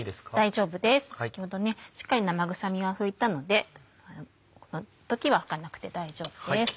大丈夫です先ほどねしっかり生臭みは拭いたのでこの時は拭かなくて大丈夫です。